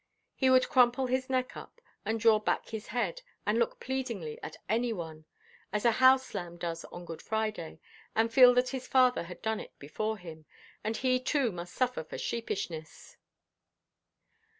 He would crumple his neck up, and draw back his head, and look pleadingly at any one, as a house–lamb does on Good Friday, and feel that his father had done it before him, and he, too, must suffer for sheepishness.